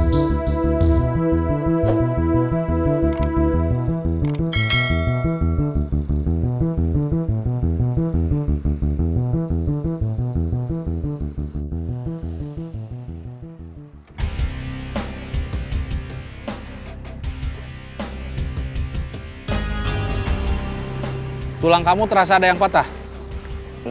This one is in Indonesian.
di parkiran diduk sama ibing